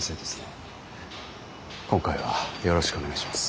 今回はよろしくお願いします。